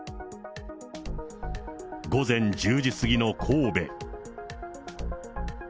午前１０時過ぎの神戸。